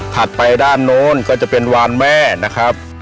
ไปด้านโน้นก็จะเป็นวานแม่นะครับ